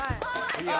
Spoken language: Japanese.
いいよ。